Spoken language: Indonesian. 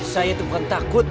saya tuh bukan takut